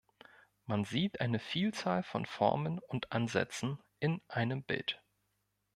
Man sieht eine Vielzahl von Formen und Ansätzen in einem Bild.